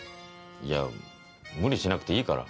いや無理しなくていいから。